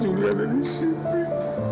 juli ada di sini